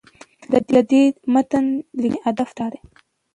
د دې متن لیکنې هدف دا دی